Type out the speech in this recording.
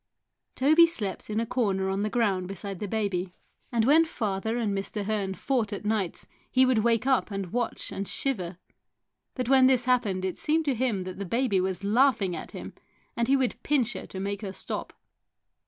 Toby slept in a corner on the ground beside the baby, and 148 THE BIRD IN THE GARDEN when father and Mr. Hearn fought at nights he would wake up and watch and shiver ; but when this happened it seemed to him that the baby was laughing at him, and he would pinch her to make her stop.